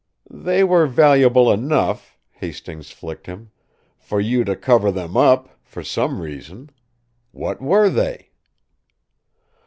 "They were valuable enough," Hastings flicked him, "for you to cover them up for some reason. What were they?"